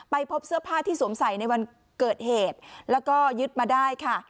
พบเสื้อผ้าที่สวมใส่ในวันเกิดเหตุแล้วก็ยึดมาได้ค่ะ